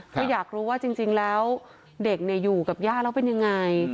ก็อยากรู้ว่าจริงแล้วเด็กอยู่กับย่าแล้วเป็นยังไง